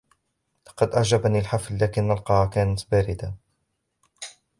لقد أعجبني الحفل ، لكن القاعة كانت باردة.